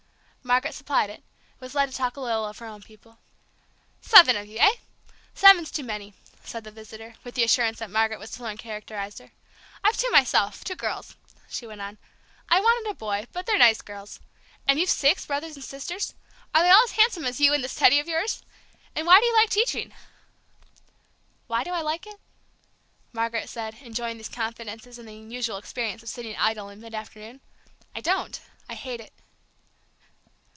Margaret supplied it, was led to talk a little of her own people. "Seven of you, eh? Seven's too many," said the visitor, with the assurance that Margaret was to learn characterized her. "I've two myself, two girls," she went on. "I wanted a boy, but they're nice girls. And you've six brothers and sisters? Are they all as handsome as you and this Teddy of yours? And why do you like teaching?" "Why do I like it?" Margaret said, enjoying these confidences and the unusual experience of sitting idle in mid afternoon. "I don't, I hate it."